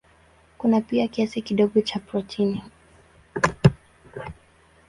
Kuna pia kiasi kidogo cha protini.